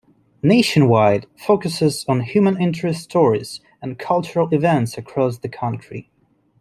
"Nationwide" focuses on human interest stories and cultural events across the country.